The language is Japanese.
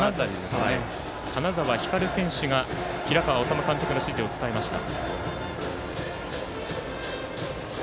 金澤光流選手が平川敦監督の指示を伝えました。